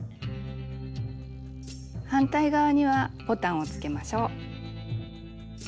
反対側にはボタンをつけましょう。